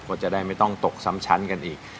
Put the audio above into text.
ก็จะได้ไม่ต้องตกซ้ำชั้นกันอีก